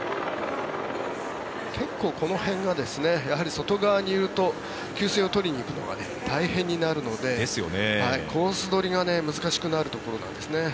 結構この辺が外側にいると給水を取りに行くのが大変になるのでコース取りが難しくなるところなんですね。